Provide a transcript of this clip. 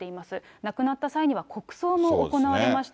亡くなった際には、国葬も行われました。